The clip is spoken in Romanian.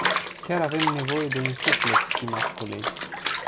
Chiar avem nevoie de un suflet, stimați colegi.